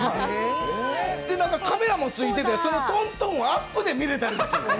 で、カメラもついてて、そのトントンをアップで見れたりする。